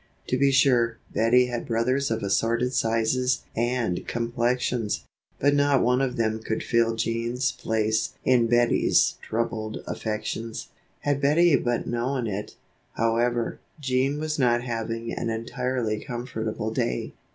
To be sure, Bettie had brothers of assorted sizes and complexions, but not one of them could fill Jean's place in Bettie's troubled affections. Had Bettie but known it, however, Jean was not having an entirely comfortable day.